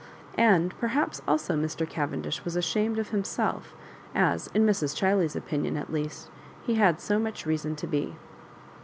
And perhaps also Mr. Cavendish was ashamed of him self, as, in Mrs. Chiley's opinion at least, he had 80 much reason to be.